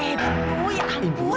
oh ya ampun